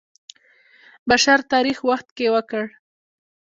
بشر تاریخ وخت کې وکړ.